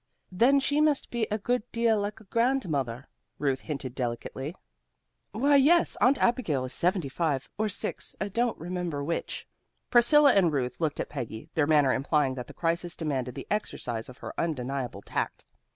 "Then she must be a good deal like a grandmother," Ruth hinted delicately. "Why, yes. Aunt Abigail is seventy five or six, I don't remember which." Priscilla and Ruth looked at Peggy, their manner implying that the crisis demanded the exercise of her undeniable tact.